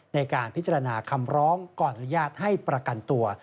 ในการพิจารณาคำร้องก่อนอนุญาตให้ประกันตัว